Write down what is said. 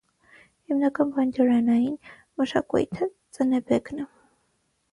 Հիմնական բանջարանային մշակույթը ծնեբեկն է։